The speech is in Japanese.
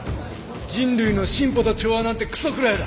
「人類の進歩と調和」なんてくそ食らえだ！